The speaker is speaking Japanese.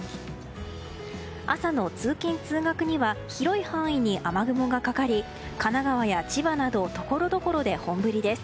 朝の通勤・通学には広い範囲に雨雲がかかり神奈川や千葉などところどころで本降りです。